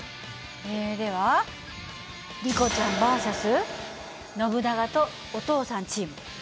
えではリコちゃんＶＳ．ノブナガとお父さんチ−ム。